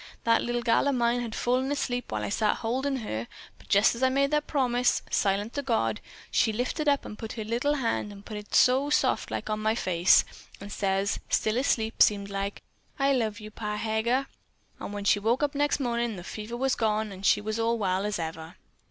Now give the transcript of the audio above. That little gal of mine had fallen asleep while I sat holdin' her, but jest as I made that promise, silent to God, she lifted up her little hand and put it soft like on my face, an' says, still asleep, seemed like 'I love you, Pa Heger.' An' when she woke up next mornin', the fever was gone, and she was well as ever.